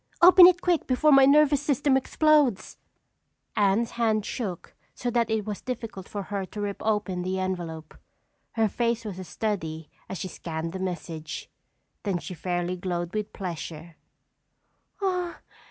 Open it quick before my nervous system explodes!" Anne's hand shook so that it was difficult for her to rip open the envelope. Her face was a study as she scanned the message. Then she fairly glowed with pleasure.